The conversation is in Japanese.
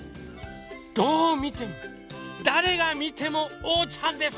どうみてもだれがみてもおうちゃんです！